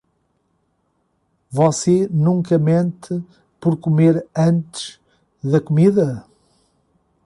Você nunca mente por comer antes da comida?